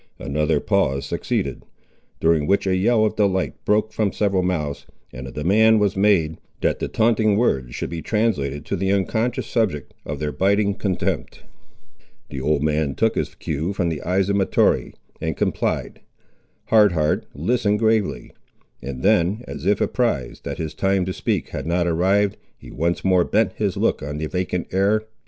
Another pause succeeded, during which a yell of delight broke from several mouths, and a demand was made, that the taunting words should be translated to the unconscious subject of their biting contempt. The old man took his cue from the eyes of Mahtoree, and complied. Hard Heart listened gravely, and then, as if apprized that his time to speak had not arrived, he once more bent his look on the vacant air.